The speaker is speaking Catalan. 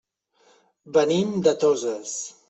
Venim de Toses.